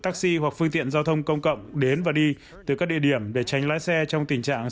taxi hoặc phương tiện giao thông công cộng đến và đi từ các địa điểm để tránh lái xe trong tình trạng